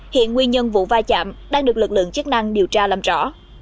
hiện nguyên nhân vụ vai chạm đang được lực lượng chức năng điều tra làm rõ